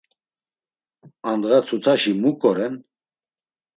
Andğa tutaşi muǩo ren?